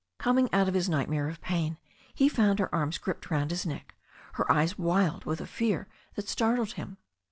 Coming out of his nightmare of pain, he found her arms gripped round his neck, her eyes wild with a fear that startled him.